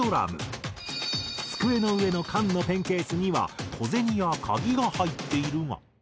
机の上の缶のペンケースには小銭や鍵が入っているが。